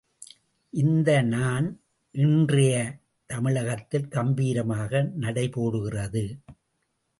இந்த நான் இன்றைய தமிழகத்தில் கம்பீரமாக நடைபோடுகிறது.